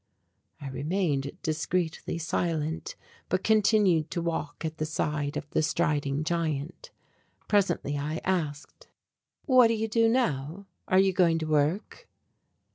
I remained discreetly silent, but continued to walk at the side of the striding giant. Presently I asked: "What do you do now, are you going to work?"